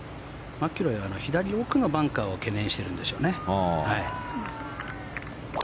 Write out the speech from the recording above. マキロイは左奥のバンカーを懸念してるんでしょうね。